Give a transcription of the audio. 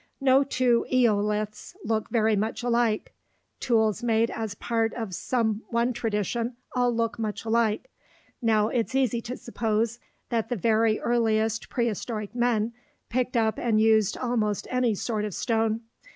No two "eoliths" look very much alike: tools made as part of some one tradition all look much alike. Now it's easy to suppose that the very earliest prehistoric men picked up and used almost any sort of stone.